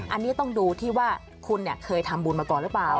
อันนี้ต้องดูที่ว่าคุณเคยทำบุญมาก่อนหรือเปล่า